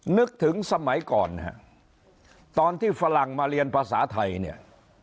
นึกถึงสมัยก่อนฮะตอนที่ฝรั่งมาเรียนภาษาไทยเนี่ย